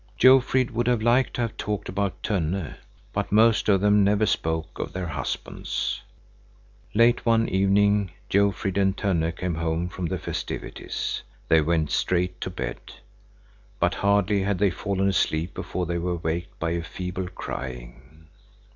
Jofrid would have liked to have talked about Tönne, but most of them never spoke of their husbands. Late one evening Jofrid and Tönne came home from the festivities. They went straight to bed. But hardly had they fallen asleep before they were waked by a feeble crying.